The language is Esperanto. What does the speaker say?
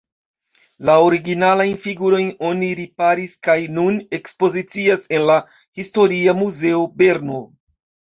La originalajn figurojn oni riparis kaj nun ekspozicias en la historia muzeo Berno.